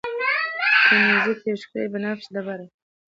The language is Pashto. کونزیټ یوه ښکلې بنفشه ډبره ده.